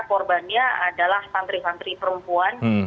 korbannya adalah santri santri perempuan